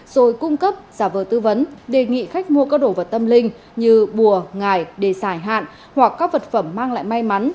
rồi cung cấp giả vờ tư vấn đề nghị khách mua các đồ vật tâm linh như bùa ngải để giải hạn hoặc các vật phẩm mang lại may mắn